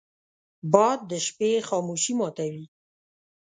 باد د شپې خاموشي ماتوي